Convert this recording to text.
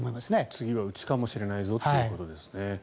次はうちかもしれないぞということですね。